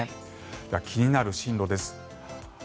では、気になる進路です。